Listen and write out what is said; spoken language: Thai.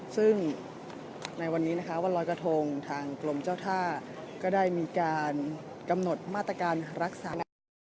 ซึ่งในวันนี้นะคะวันรอยกระทงทางกรมเจ้าท่าก็ได้มีการกำหนดมาตรการรักษา